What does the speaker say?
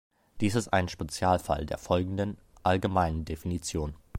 Dies ist ein Spezialfall der folgenden, allgemeinen Definition.